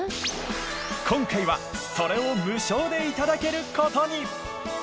今回はそれを無償でいただける事に。